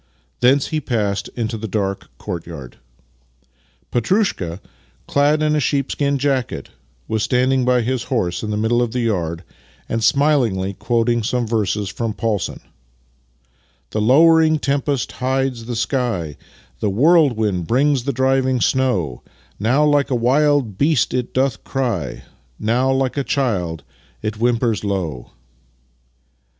Thence he passed into the dark courtyard. Petrushka, clad in a sheepskin jacket, was standing by his horse in the middle of the yard and smilingly quoting some verses from Paulson: " The lowering tempest hides the sky, The whirlwind brings the driving snow ; Now like a wild beast it doth cry, Now like a child it whimpers low."